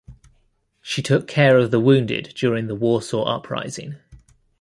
She took care of the wounded during the Warsaw Uprising.